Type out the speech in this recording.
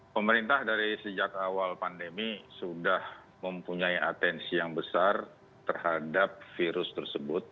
pemerintah dari sejak awal pandemi sudah mempunyai atensi yang besar terhadap virus tersebut